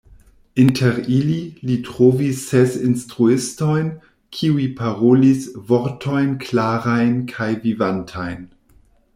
Inter ili, li trovis ses instruistojn, kiuj parolis "vortojn klarajn kaj vivantajn.